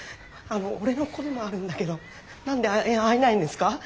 あの俺の子でもあるんだけど何で会えないんですか？